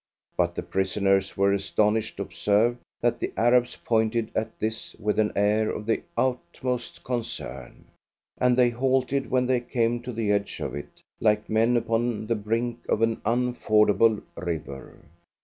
But the prisoners were astonished to observe that the Arabs pointed at this with an air of the utmost concern, and they halted when they came to the edge of it like men upon the brink of an unfordable river.